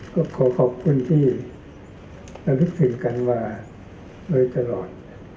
ก็ขอขอบคุณที่เรารู้สึกกันมาเลยตลอด